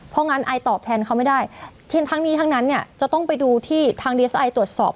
เพราะงั้นไอตอบแทนเขาไม่ได้เช่นทั้งนี้ทั้งนั้นเนี่ยจะต้องไปดูที่ทางดีเอสไอตรวจสอบ